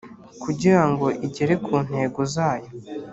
kugira ngo igere ku ntego zayo